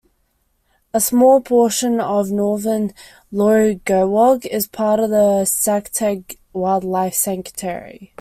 A small portion of northern Lauri Gewog is part of the Sakteng Wildlife Sanctuary.